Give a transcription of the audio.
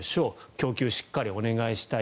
供給、しっかりお願いしたい。